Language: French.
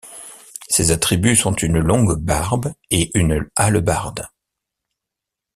Ses attributs sont une longue barbe et une hallebarde.